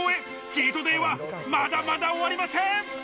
チートデーはまだまだ終わりません。